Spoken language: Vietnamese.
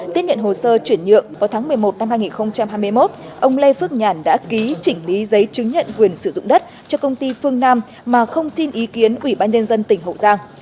tiếp nhận hồ sơ chuyển nhượng vào tháng một mươi một năm hai nghìn hai mươi một ông lê phước nhàn đã ký chỉnh lý giấy chứng nhận quyền sử dụng đất cho công ty phương nam mà không xin ý kiến ủy ban nhân dân tỉnh hậu giang